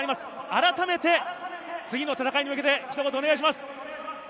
改めて、次の登板に向けて、ひと言お願いします。